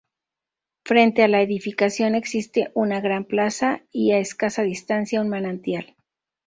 Frente a la edificación existe una gran plaza y a escasa distancia un manantial.